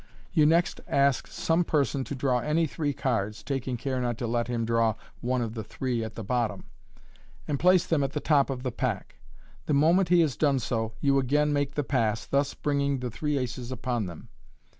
You next ask some person to draw any three cards (taking care not to let him draw one of the three at the bottom), and place them at the top of the pack. The moment he has done so, you again make the pass, thus bringing the three aces ipon them.